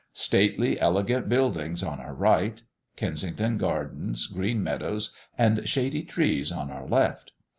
Stately, elegant buildings on our right; Kensington Gardens, green meadows, and shady trees, on our left.